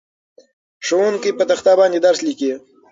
ښوونکی په تخته باندې درس لیکي.